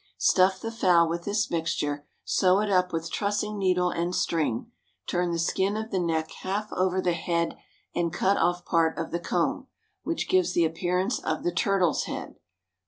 Stuff the fowl with this mixture; sew it up with trussing needle and string; turn the skin of the neck half over the head, and cut off part of the comb, which gives the appearance of the turtle's head.